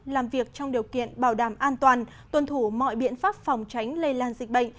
làm việc trong điều kiện bảo đảm an toàn tuân thủ mọi biện pháp phòng tránh lây lan dịch bệnh